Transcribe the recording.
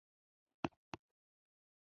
قاضي کالینز د دې نظر منل به تر توقع لوړ کار وي.